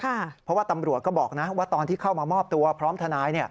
เพราะว่าตำรวจก็บอกนะว่าตอนที่เข้ามามอบตัวพร้อมทนาย